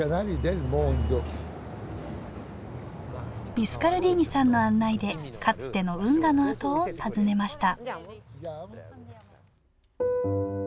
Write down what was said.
ビスカルディーニさんの案内でかつての運河の跡を訪ねました